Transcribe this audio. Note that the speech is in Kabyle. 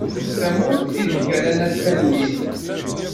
Tamurt i deg ara naf talwit.